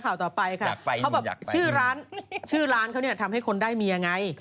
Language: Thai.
ข่าวต่อไปค่ะเขาบอกชื่อร้านชื่อร้านเขาเนี่ยทำให้คนได้เมียไง